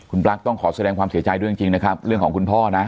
คุณปลั๊กต้องขอแสดงความเสียใจด้วยจริงนะครับเรื่องของคุณพ่อนะ